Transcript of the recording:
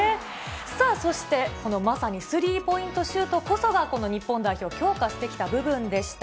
さあ、そして、このまさにスリーポイントシュートこそが、この日本代表、強化してきた部分でした。